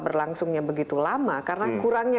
berlangsungnya begitu lama karena